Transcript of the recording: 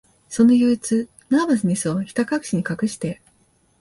その憂鬱、ナーバスネスを、ひたかくしに隠して、